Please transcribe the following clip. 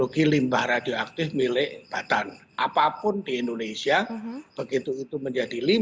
rich radio waktu itu lancar waktu itu aldoi